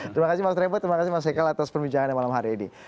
terima kasih mas rebo terima kasih mas ekel atas perbincangan yang malam hari ini